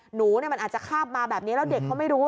หนูมันอาจจะคาบมาแบบนี้แล้วเด็กเขาไม่รู้